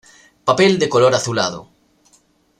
Papel de color azulado.